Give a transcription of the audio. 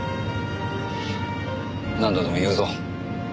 何度でも言うぞ。